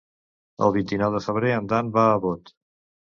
El vint-i-nou de febrer en Dan va a Bot.